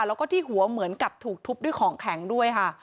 แล้วก็ที่หัวเหมือนกับถูกทุบด้วยของแข็งด้วยค่ะ